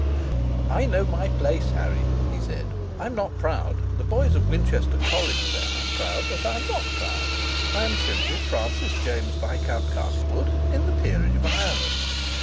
"I know my place, Harry," he said. "I'm not proud the boys at Winchester College say I'm proud: but I'm not proud. I am simply Francis James Viscount Castlewood in the peerage of Ireland.